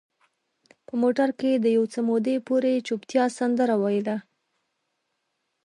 په موټر کې د یو څه مودې پورې چوپتیا سندره ویله.